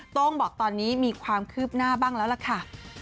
โต้งบอกตอนนี้มีความคืบหน้าบ้างแล้วล่ะค่ะ